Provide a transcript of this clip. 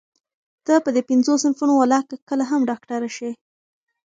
ته په دې پينځو صنفونو ولاکه کله هم ډاکټره شې.